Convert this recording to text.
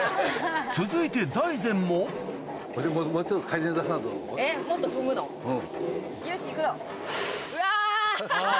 続いて財前もうん。